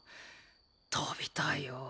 跳びたいよ。